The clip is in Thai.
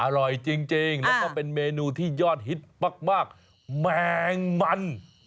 อร่อยจริงแล้วก็เป็นเมนูที่ยอดฮิตมากแมงมัน